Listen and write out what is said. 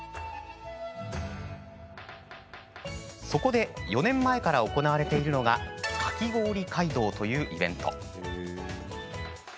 そこで４年前から行われているのが「かき氷街道」というイベント。